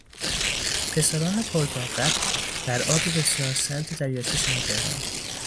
پسران پرطاقت در آب بسیار سرد دریاچه شنا کردند.